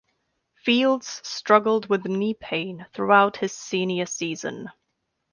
Fields struggled with knee pain throughout his senior season.